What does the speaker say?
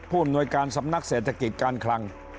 อำนวยการสำนักเศรษฐกิจการคลัง